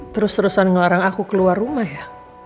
terus terusan ngelarang aku keluar rumah ya